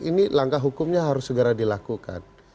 ini langkah hukumnya harus segera dilakukan